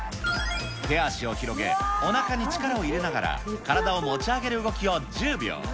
手足を広げ、おなかに力を入れながら体を持ち上げる動きを１０秒。